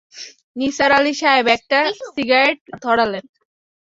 নিসার আলি সাহেব একটা সিগারেট ধরালেন।